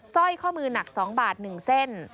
สร้อยข้อมือหนัก๒บาท๑เส้น